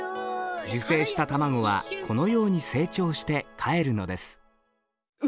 受精した卵はこのように成長してかえるのですハハハハ急に。